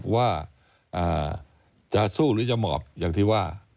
ว่าจะสู้หรือจะหมอบอย่างที่ว่า